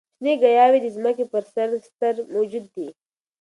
شنې ګیاوې د ځمکې پر سر ستر موجود دي.